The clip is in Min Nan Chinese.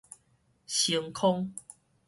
星空